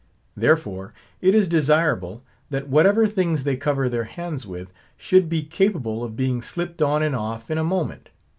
—Therefore, it is desirable, that whatever things they cover their hands with, should be capable of being slipped on and off in a moment.